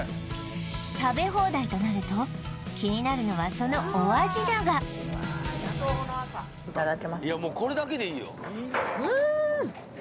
食べ放題となると気になるのはそのお味だがいただきますうん！